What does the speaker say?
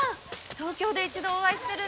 東京で一度お会いしているんです。